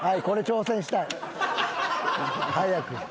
「これ挑戦したい」早く。